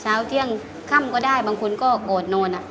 เช้าเที่ยงคั่มก็ได้บางคนก็โกรธโน่นอ่ะ